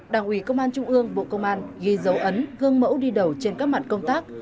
đảng ủy công an trung ương bộ công an ghi dấu ấn gương mẫu đi đầu trên các mặt công tác